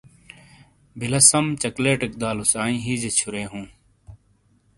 بلہ سم چاکلیٹیک دالوس آنئ ہئیجا چھورے ہوں